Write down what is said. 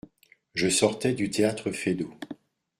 Je sortais du théâtre Feydeau…